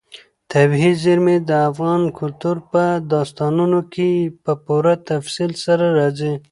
طبیعي زیرمې د افغان کلتور په داستانونو کې په پوره تفصیل سره راځي.